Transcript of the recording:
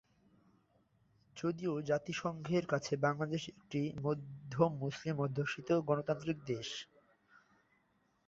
যদিও জাতিসংঘের কাছে বাংলাদেশ একটি মধ্যম মুসলিম অধ্যুষিত গণতান্ত্রিক দেশ।